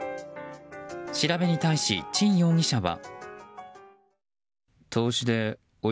調べに対し、チン容疑者は。